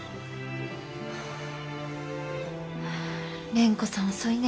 蓮子さん遅いね。